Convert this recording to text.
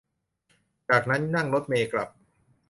จากนั้นนั่งรถเมล์กลับ